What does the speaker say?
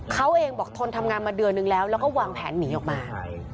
เขาเองบอกทนทำงานมาเดือนนึงแล้วแล้วก็วางแผนหนีออกมา